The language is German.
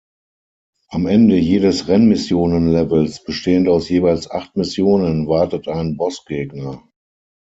Am Ende jedes Rennmissionen-Levels, bestehend aus jeweils acht Missionen, wartet ein Bossgegner.